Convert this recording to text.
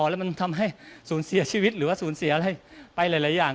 แล้วมันทำให้สูญเสียชีวิตหรือว่าสูญเสียอะไรไปหลายอย่าง